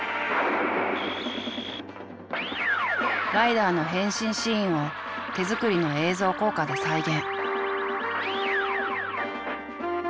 ライダーの変身シーンを手作りの映像効果で再現。